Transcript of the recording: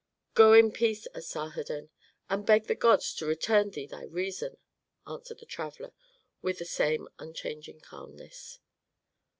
"Go in peace, Asarhadon, and beg the gods to return thee thy reason," answered the traveller, with the same unchanging calmness.